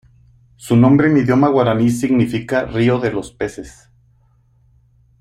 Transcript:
Su nombre en idioma guaraní significa "río de los peces".